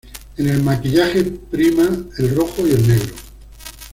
En el maquillaje prime el rojo y el negro.